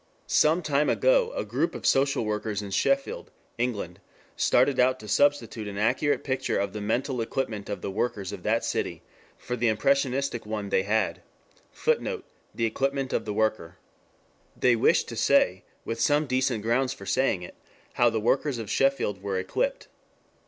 Some time ago a group of social workers in Sheffield, England, started out to substitute an accurate picture of the mental equipment of the workers of that city for the impressionistic one they had. [Footnote: The Equipment of the Worker.] They wished to say, with some decent grounds for saying it, how the workers of Sheffield were equipped.